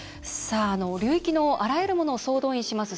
流域のあらゆるものを総動員します